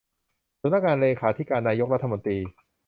สำนักงานเลขาธิการนายกรัฐมนตรี